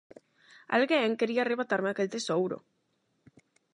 Alguén quería arrebatarme aquel tesouro...